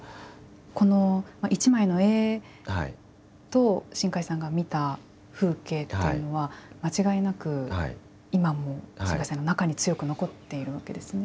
この１枚の絵と新海さんが見た風景というのは間違いなく、今も新海さんの中に強く残っているわけですね。